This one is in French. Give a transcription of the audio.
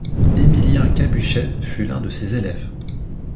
Émilien Cabuchet fut l'un de ses élèves.